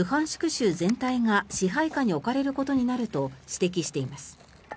州全体が支配下に置かれることになると指摘しています。